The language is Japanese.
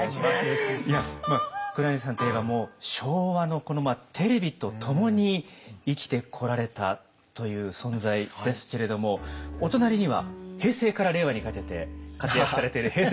黒柳さんといえば昭和のテレビと共に生きてこられたという存在ですけれどもお隣には平成から令和にかけて活躍されているＨｅｙ！